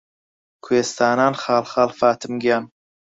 کوێستانان خاڵ خاڵ فاتم گیان